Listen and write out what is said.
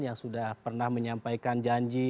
yang sudah pernah menyampaikan janji